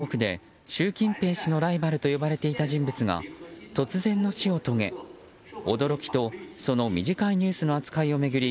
かつて中国で習近平氏のライバルと呼ばれていた人物が突然の死を遂げ、驚きとその短いニュースの扱いを巡り